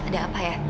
ada apa ya